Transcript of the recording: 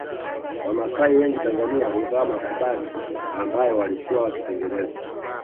Wamasai wengi Tanzania huvaa makubadhi ambayo walikuwa wakitengeneza